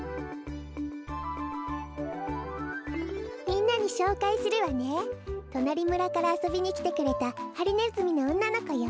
みんなにしょうかいするわね。となりむらからあそびにきてくれたハリネズミのおんなのこよ。